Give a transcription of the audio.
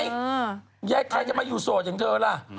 ก็ใช่ไงใครจะมาอยู่โสดอย่างเธอล่ะ